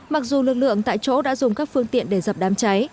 mặc dù lực lượng tại chỗ đã dùng các phương tiện để dập đám cháy